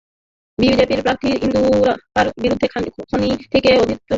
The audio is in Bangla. বিজেপির প্রার্থী ইদ্দুরাপার বিরুদ্ধে খনি থেকে অবৈধভাবে সম্পদ আহরণের অভিযোগে দুর্নীতির মামলা রয়েছে।